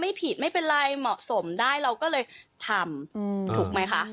ไม่ผิดไม่เป็นไรเหมาะสมได้เราก็เลยทำถูกไหมคะ